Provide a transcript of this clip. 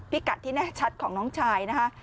กัดที่แน่ชัดของน้องชายนะคะ